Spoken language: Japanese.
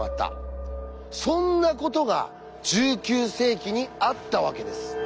そんなことが１９世紀にあったわけです。